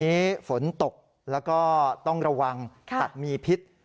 อันนี้ฝนตกแล้วก็ต้องระวังตัดมีพิษ